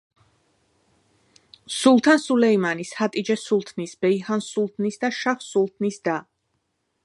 სულთან სულეიმანის, ჰატიჯე სულთნის, ბეიჰან სულთნის და შაჰ სულთნის და.